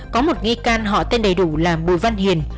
có một nghi can họ tên đầy đủ là bùi văn hiền